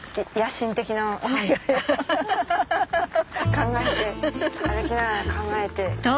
考えて歩きながら考えて。